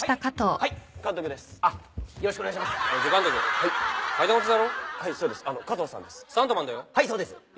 はいそうです。何？